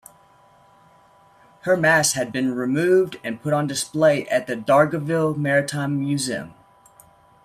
Her masts had been removed and put on display at the Dargaville Maritime Museum.